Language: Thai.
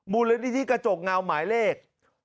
มูลในที่กระจกเงาหมายเลข๐๘๐๗๗๕๒๖๗๓